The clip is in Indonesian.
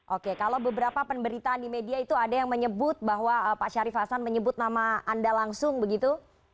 oke kalau beberapa pemberitaan di media itu ada yang menyebut bahwa pak syarif hasan menyebut nama anda langsung begitu